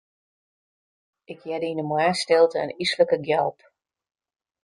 Ik hearde yn 'e moarnsstilte in yslike gjalp.